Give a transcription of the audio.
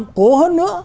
phải cố hết nữa